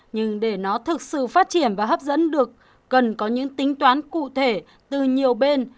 nhưng để nó thực sự phát triển và hấp dẫn được cần có những tính toán cụ thể từ nhiều bên